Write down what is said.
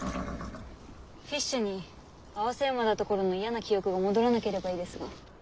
フィッシュに併せ馬だった頃の嫌な記憶が戻らなければいいですが。